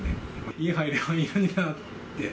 家入ればいいのになって。